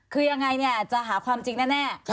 คือยังไงเนี่ยจะหาความจริงแน่